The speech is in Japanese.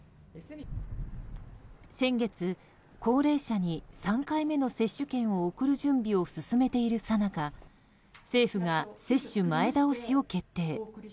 先月、高齢者に３回目の接種券を送る準備を進めているさなか政府が接種前倒しを決定。